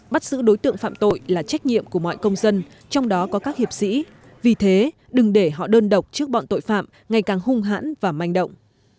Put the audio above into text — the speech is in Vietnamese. bắt giữ đối tượng phạm tội là trách nhiệm của mọi công dân trong đó có các hiệp sĩ vì thế đừng để họ đơn độc trước bọn tội phạm ngày càng hung hãn và manh động